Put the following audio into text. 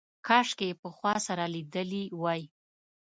کاشکې یې پخوا سره لیدلي وای.